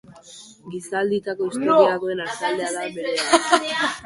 Gizalditako historia duen artaldea da berea.